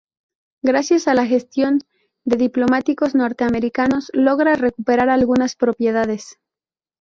Gracias a la gestión de diplomáticos norteamericanos logra recuperar algunas propiedades.